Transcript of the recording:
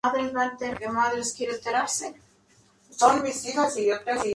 Cuando escasean las aves, captura ratas y grandes lagartos.